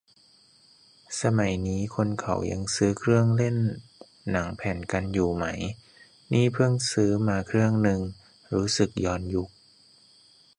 สมัยนี้คนเขายังซื้อเครื่องเล่นหนังแผ่นกันอยู่ไหม นี่เพิ่งซื้อมาเครื่องนึง รู้สึกย้อนยุค